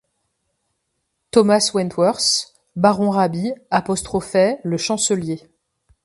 Thomas Wentworth, baron Raby, apostrophait le chancelier.